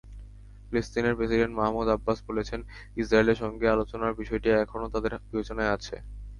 ফিলিস্তিনি president Mahmoud Abbas বলেছেন, ইসরায়েলের সঙ্গে আলোচনার বিষয়টি এখনো তাঁদের বিবেচনায় আছে।